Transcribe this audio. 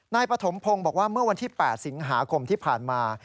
ปฐมพงศ์บอกว่าเมื่อวันที่๘สิงหาคมที่ผ่านมา